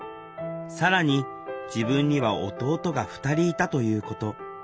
更に自分には弟が２人いたということ。